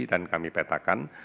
dan kami petakan